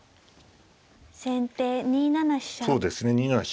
先手２七飛車。